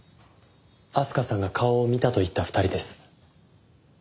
明日香さんが顔を見たと言った２人です。